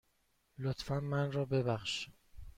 لطفاً من را ببخش.